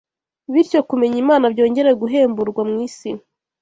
bityo kumenya Imana byongere guhemburwa mu isi.